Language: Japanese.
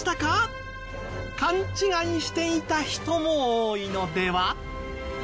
勘違いしていた人も多いのでは？